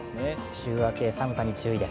週明け、寒さに注意です。